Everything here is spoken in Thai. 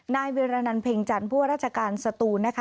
นายเวียรนันเพ็งจันทร์ผู้ว่าราชการสตูนนะคะ